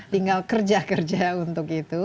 tinggal kerja kerja untuk itu